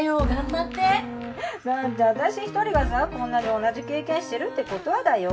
だって私一人がさこんなに同じ経験してるってことはだよ？